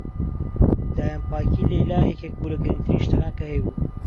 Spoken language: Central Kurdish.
داوێنپاکیی لەیلا یەکێک بوو لە گرنگترین شتەکان کە هەیبوو.